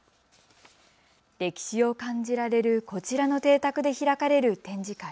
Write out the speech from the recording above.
歴史を感じられるこちらの邸宅で開かれる展示会。